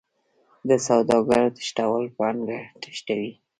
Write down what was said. د سوداګرو تښتول پانګه تښتوي.